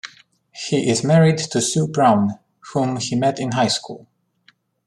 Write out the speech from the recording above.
He is married to Sue Brown, whom he met in high school.